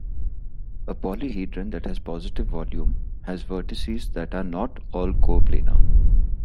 A polyhedron that has positive volume has vertices that are not all coplanar.